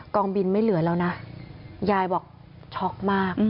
องบินไม่เหลือแล้วนะยายบอกช็อกมาก